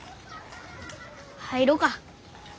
入ろうか。